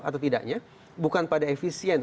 atau tidaknya bukan pada efisien